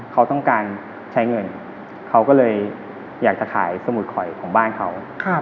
เขาต้องการใช้เงินเขาก็เลยอยากจะขายสมุดข่อยของบ้านเขา